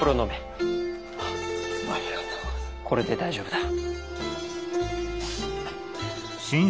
これで大丈夫だ。